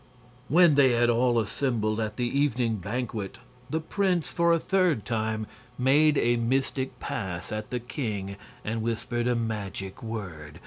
When they had all assembled at the evening banquet the prince, for a third time, made a mystic pass at the king and whispered a magic word.